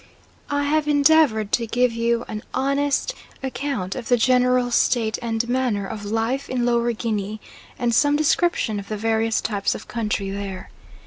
I have endeavoured to give you an honest account of the general state and manner of life in Lower Guinea and some description of the various types of country there.